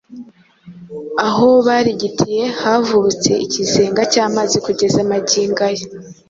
Aho barigitiye havubutse ikizenga cy’amazi kugeza magingo aya.